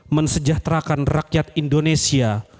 mensejahterakan rakyat indonesia